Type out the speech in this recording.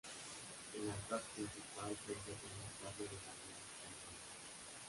El altar principal cuenta con un cuadro de María Auxiliadora.